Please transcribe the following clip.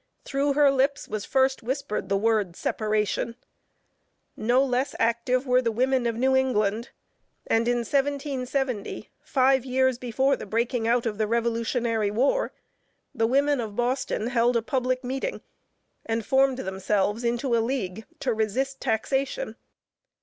Through her lips was first whispered the word, separation. No less active were the women of New England, and in 1770, five years before the breaking out of the revolutionary war, the women of Boston held a public meeting, and formed themselves into a league to resist taxation.